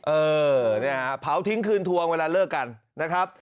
เออเนี่ยฮะเผาทิ้งคืนทวงเวลาเลิกกันนะครับ